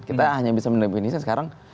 kita hanya bisa menemukan ini sekarang